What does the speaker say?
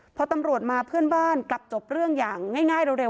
พอตำรวจมาเพื่อนบ้านกลับจบเรื่องอย่างง่ายเร็ว